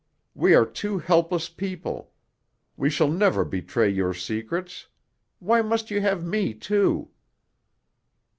We are two helpless people; we shall never betray your secrets. Why must you have me too?"